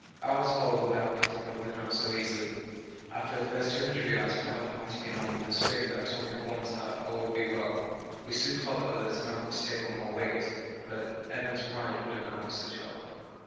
Bowers followed without getting over the ground so easily. After the first 200 yards my own party came on with a swing that told me at once that all would be well. We soon caught the others and offered to take on more weight, but Evans' pride wouldn't allow such help.